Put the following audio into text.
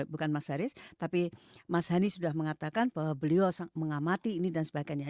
bukan mas haris tapi mas hani sudah mengatakan bahwa beliau mengamati ini dan sebagainya